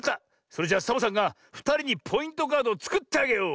それじゃサボさんがふたりにポイントカードをつくってあげよう！